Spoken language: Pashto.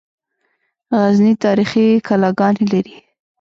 غزني تاریخي کلاګانې لري